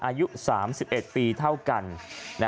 อายุ๓๑ปีเท่ากัน